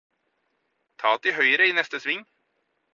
ta til høyre i neste sving